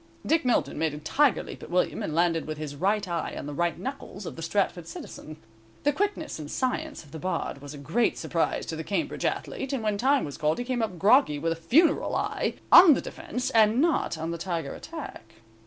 Dick Milton made a tiger leap at William, and landed with his right eye on the right knuckles of the Stratford citizen. The quickness and science of the Bard was a great surprise to the Cambridge athlete, and when time was called he came up groggy with a funeral eye, on the defense, and not on the tiger attack.